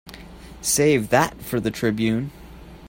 Save that for the Tribune.